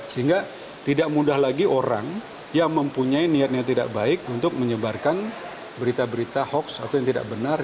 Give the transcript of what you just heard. sehingga tidak mudah lagi orang yang mempunyai niat niat tidak baik untuk menyebarkan berita berita hoax atau yang tidak benar